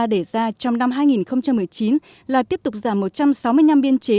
để ra trong năm hai nghìn một mươi chín là tiếp tục giảm một trăm sáu mươi năm biên chế